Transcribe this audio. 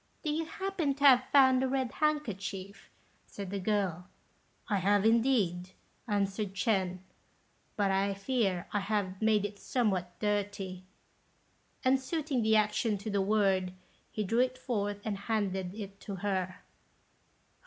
"Do you happen to have found a red handkerchief?" said the girl. "I have, indeed," answered Ch'ên, "but I fear I have made it somewhat dirty;" and, suiting the action to the word, he drew it forth, and handed it to her.